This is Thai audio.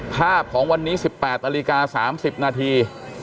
ภาพของวันนี้๑๘นาฬิกา๓๐นาที